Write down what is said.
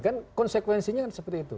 kan konsekuensinya kan seperti itu